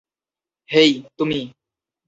হেই, তুমি।